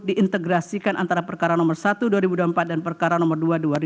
diintegrasikan antara perkara nomor satu dua ribu dua puluh empat dan perkara nomor dua dua ribu dua